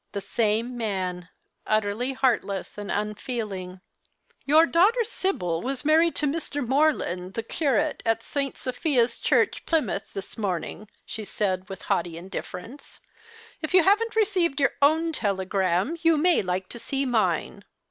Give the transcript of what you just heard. The same man, utterly heartless and unfeeling. " Your daughter Sibyl was married to Mv. Morland, the curate, at St. Sophia's Church, Plymouth, this morn ing," she said with haughty indifference. " If you haven't received your own telegram, you may like to see mine."